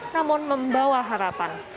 namun membawa harapan